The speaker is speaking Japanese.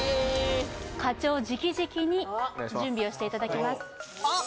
課長直々に準備をしていただきます・あっ